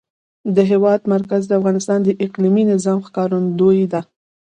د هېواد مرکز د افغانستان د اقلیمي نظام ښکارندوی ده.